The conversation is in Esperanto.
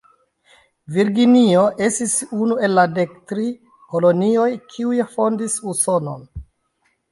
Virginio estis unu el la dektri kolonioj, kiuj fondis Usonon.